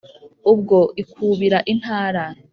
ubwo ikubira intara